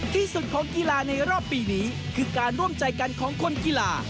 ที่สุดของกีฬาในรอบปีนี้คือการร่วมใจกันของคนกีฬา